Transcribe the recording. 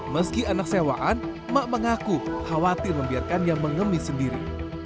meski anak sewaan emak mengaku khawatir membiarkan dia mengemis sendiri